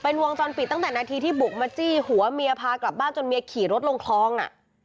วงจรปิดตั้งแต่นาทีที่บุกมาจี้หัวเมียพากลับบ้านจนเมียขี่รถลงคลองอ่ะ